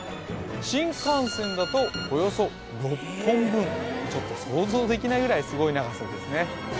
新幹線だとおよそ６本分ちょっと想像できないぐらいスゴい長さですね